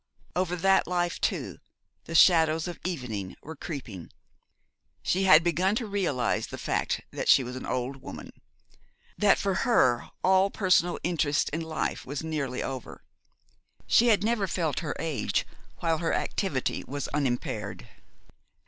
Over that life, too, the shadows of evening were creeping. She had begun to realise the fact that she was an old woman; that for her all personal interest in life was nearly over. She had never felt her age while her activity was unimpaired.